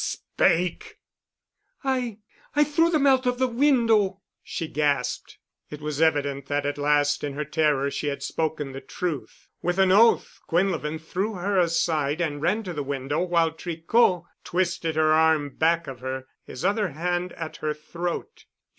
"Speak——!" "I—I threw them out of the window," she gasped. It was evident that at last in her terror she had spoken the truth. With an oath Quinlevin threw her aside and ran to the window while Tricot twisted her arm back of her, his other hand at her throat.